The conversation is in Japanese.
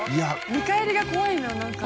見返りが怖いな何か。